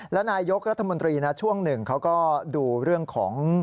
และนายกรัฐมนตรีนะช่วงหนึ่งเขาก็ดูเรื่องของ